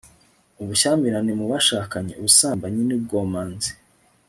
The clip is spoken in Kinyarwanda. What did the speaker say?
ubushyamirane mu bashakanye, ubusambanyi n'ubwomanzi